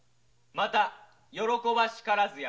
また楽しからずや」